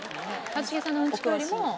一茂さんのうんちくよりも。